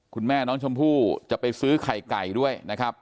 คุณแม่น้องชมพู่จะไปซื้อไข่ไก่ด้วยนะครับ